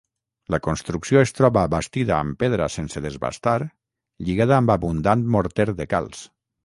La construcció es troba bastida amb pedra sense desbastar lligada amb abundant morter de calç.